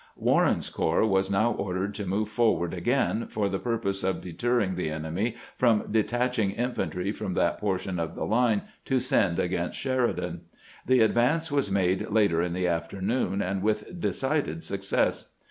Warren's corps was now ordered to move forward again for the purpose of deterring the enemy from detaching infantry from that portion of the line to send against Sheridan. The advance was made later in the afternoon, and with decided success.